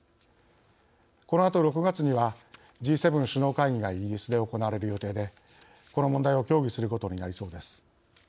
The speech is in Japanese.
このあと６月にはＧ７首脳会議がイギリスで行われる予定でこの問題を協議することになりそうです。